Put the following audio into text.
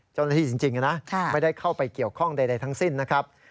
จริงนะไม่ได้เข้าไปเกี่ยวข้องใดทั้งสิ้นนะครับ